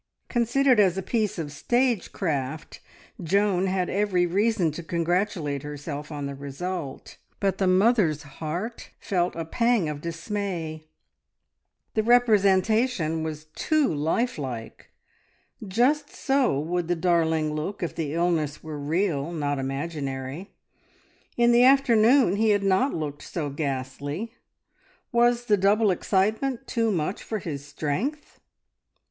Considered as a piece of stage craft, Joan had every reason to congratulate herself on the result, but the mother's heart felt a pang of dismay. The representation was too life like! Just so would the darling look if the illness were real, not imaginary. In the afternoon he had not looked so ghastly. Was the double excitement too much for his strength?